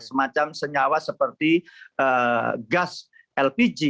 semacam senyawa seperti gas lpg